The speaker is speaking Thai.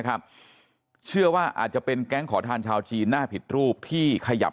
เชื่อว่าอาจจะเป็นแก๊งขอทานชาวจีนหน้าผิดรูปที่ขยับ